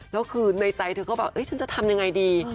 แล้วคือในใจเธอก็แบบฉันจะทำยังไงดี